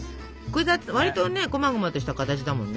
わりとねこまごまとした形だもんね。